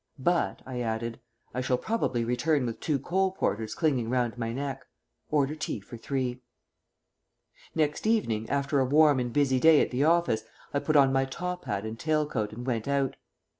But," I added, "I shall probably return with two coal porters clinging round my neck. Order tea for three." Next evening, after a warm and busy day at the office, I put on my top hat and tail coat and went out.